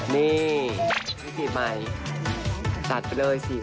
นี่นี่สีใหม่สัดไปเลยสี่คน